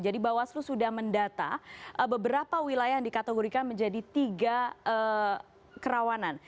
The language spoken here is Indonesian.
jadi bawaslu sudah mendata beberapa wilayah yang dikategorikan menjadi tiga kerawanan